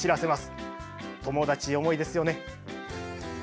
友達思いですよね。